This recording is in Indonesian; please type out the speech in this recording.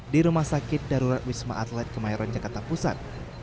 di rumah sakit darurat wisma atlet kemayoran jakarta pusat